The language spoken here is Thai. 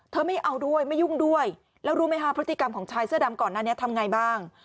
ไม่เอาด้วยไม่ยุ่งด้วยแล้วรู้ไหมคะพฤติกรรมของชายเสื้อดำก่อนหน้านี้ทำไงบ้าง